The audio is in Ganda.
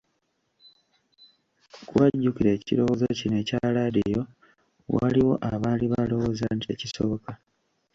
Kuba jjukira ekirowoozo kino ekya laadiyo waliwo abaali balowooza nti tekisoboka.